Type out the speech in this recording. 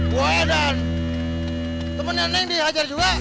gue dan temennya neng dihajar juga